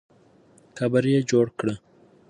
قبر یې جوړ کړه.